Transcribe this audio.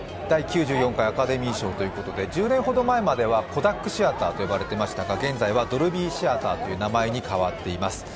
第９４回アカデミー賞ということで、１０年ほど前までは別名でしたが現在はドルビーシアターという名前に変わっています。